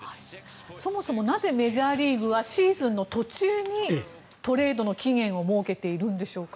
そもそもなぜメジャーリーグはシーズンの途中にトレードの期限を設けているんでしょうか？